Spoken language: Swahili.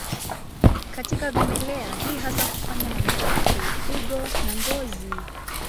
Katika vimelea, hii hasa hufanywa na mapafu, figo na ngozi.